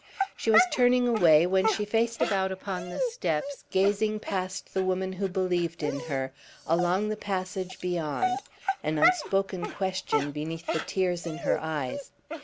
She was turning away, when she faced about upon the steps, gazing past the woman who believed in her, along the passage beyond, an unspoken question beneath the tears in her eyes.